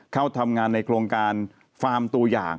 เข้าทำงานในโครงการฟาร์มตัวอย่าง